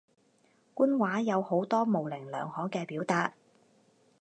官話有好多模棱兩可嘅表達